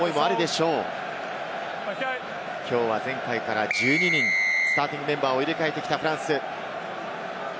きょうは前回から１２人、スターティングメンバーを入れ替えてきたフランス。